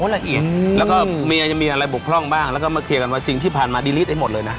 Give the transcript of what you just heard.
แล้วก็มีอะไรบกพร่องบ้างแล้วก็มาเคลียร์กันว่าสิ่งที่ผ่านมาดิลิตให้หมดเลยนะ